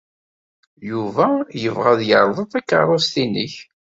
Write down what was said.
Yuba yebɣa ad yerḍel takeṛṛust-nnek.